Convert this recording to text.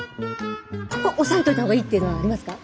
ここ押さえておいたほうがいいっていうのはありますか？